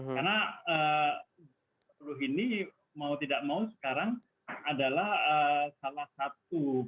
karena g dua puluh ini mau tidak mau sekarang adalah salah satu